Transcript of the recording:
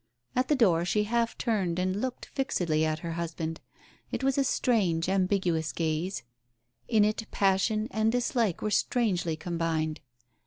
At the door she half turned and looked fixedly at her husband. It was a strange ambiguous gaze ; in it passion and dislike were strangely combined.